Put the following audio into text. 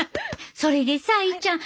それでさいっちゃん。